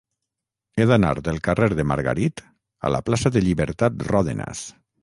He d'anar del carrer de Margarit a la plaça de Llibertat Ròdenas.